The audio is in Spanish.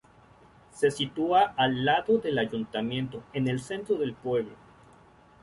Se sitúa al lado del ayuntamiento, en el centro del pueblo.